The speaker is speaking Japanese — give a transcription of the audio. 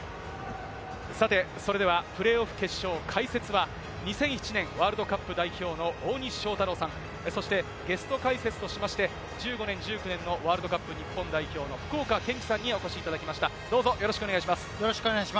それではプレーオフ決勝、解説は２００７年ワールドカップ代表の大西将太郎さん、ゲスト解説としまして、１５年、１９年のワールドカップ日本代表の福岡堅樹さんにお越しいただきました、よろしくお願いします。